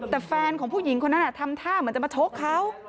แต่แฟนของผู้หญิงคนนั้นทำท่าเหมือนจะมาชกเขา